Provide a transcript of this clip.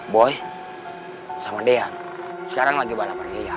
boy sama dian sekarang lagi balap arti liar